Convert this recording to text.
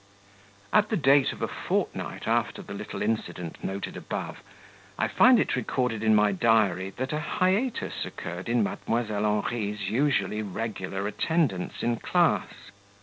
At the date of a fortnight after the little incident noted above, I find it recorded in my diary that a hiatus occurred in Mdlle. Henri's usually regular attendance in class.